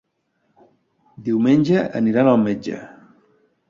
Diumenge aniran al metge.